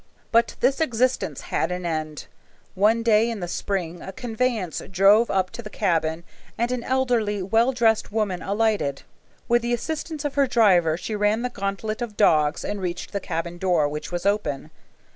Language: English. But this existence had an end. One day in the spring a conveyance drove up to the cabin, and an elderly, well dressed woman alighted. With the assistance of her driver she ran the gauntlet of dogs and reached the cabin door, which was open.